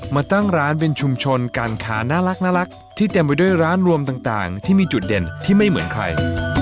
มาตั้งร้านเป็นชุมชนการค้าน่ารักที่เต็มไปด้วยร้านรวมต่างที่มีจุดเด่นที่ไม่เหมือนใคร